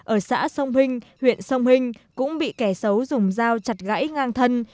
ở xã sông hình huyện sông hình cũng bị kẻ xấu dùng dao chặt gãy ngang thân